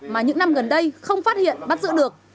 mà những năm gần đây không phát hiện bắt giữ được